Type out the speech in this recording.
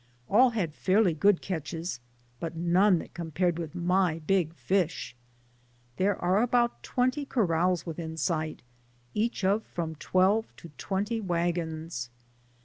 All had fairly good catches, but none that compared with my big fish. There are about twenty corrals within sight, each of from twelve to twenty wagons.